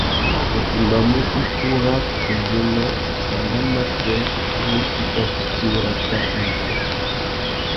U timbamú ikú râ kundzénô ! wanda matê wu i tà fiti urrata na issú.